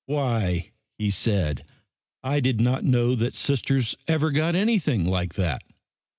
"Why," he said, "I did not know that Sisters ever got anything like that."